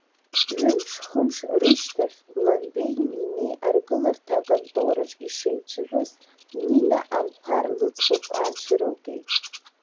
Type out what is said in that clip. Ҩымш-хымш рышьҭахь, Ланбеи Нинеи аргыларҭа контораҿ ишеицәажәоз, Нина Амԥар лыӡбахә аацәырылгеит.